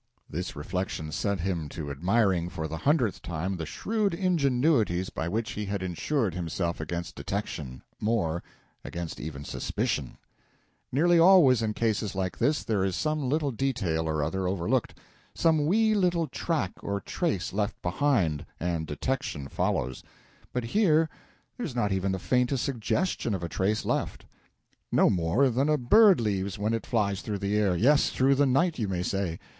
This reflection set him to admiring, for the hundredth time, the shrewd ingenuities by which he had insured himself against detection more, against even suspicion. "Nearly always in cases like this there is some little detail or other overlooked, some wee little track or trace left behind, and detection follows; but here there's not even the faintest suggestion of a trace left. No more than a bird leaves when it flies through the air yes, through the night, you may say.